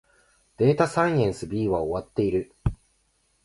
データサイエンス B は終わっている